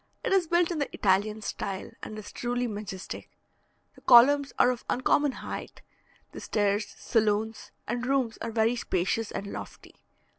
It is built in the Italian style, and is truly majestic; the columns are of uncommon height; the stairs, saloons, and rooms are very spacious and lofty.